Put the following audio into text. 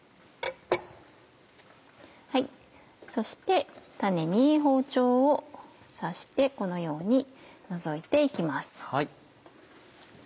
そして種に包丁を刺してこのように除いて行きます。